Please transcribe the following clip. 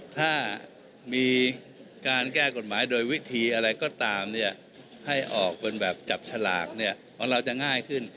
ถ้ามีการแก้กฎหมายโดยวิธีอะไรก็ตามเนี่ยให้ออกเป็นแบบจับฉลากเนี่ยของเราจะง่ายขึ้น